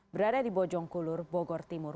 berada di bojongkulur bogor timur